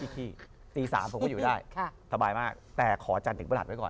ที่ตี๓ผมก็อยู่ได้สบายมากแต่ขอจันทร์ถึงประหัสไว้ก่อน